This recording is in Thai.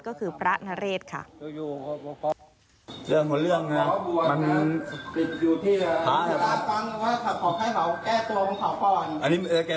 ก็คือพระนเรศค่ะ